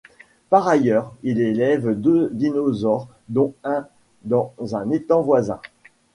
Par ailleurs, il élève deux dinosaures dont un dans un étang voisin.